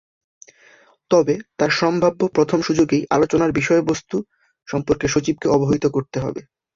তবে তার সম্ভাব্য প্রথম সুযোগেই আলোচনার বিষয়বস্ত্ত সম্পর্কে সচিবকে অবহিত করতে হবে।